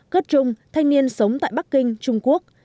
cất trung thanh niên sống tại bắc kinh trung quốc